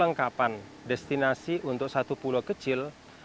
kelengkapan destinasi untuk satu pulau kecil